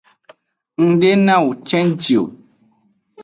Ng de nawo cenji o.